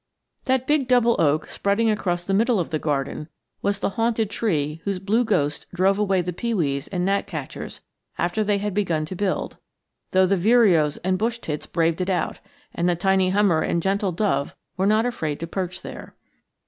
That big double oak, spreading across the middle of the garden, was the haunted tree whose blue ghost drove away the pewees and gnatcatchers after they had begun to build; though the vireos and bush tits braved it out, and the tiny hummer and gentle dove were not afraid to perch there.